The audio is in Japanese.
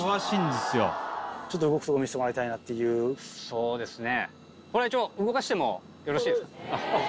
そうですね。